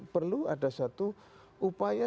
perlu ada satu upaya